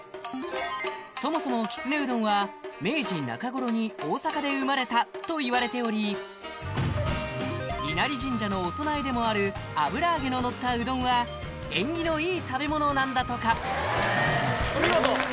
そもそもきつねうどんは明治中頃に大阪で生まれたといわれており稲荷神社のお供えでもある油揚げののったうどんは縁起のいい食べ物なんだとかお見事